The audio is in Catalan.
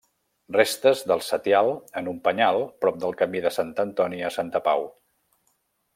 Restes del setial en un penyal prop del camí de Sant Antoni a Santa Pau.